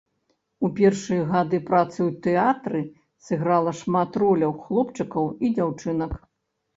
У першыя гады працы ў тэатры сыграла шмат роляў хлопчыкаў і дзяўчынак.